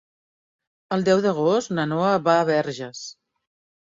El deu d'agost na Noa va a Verges.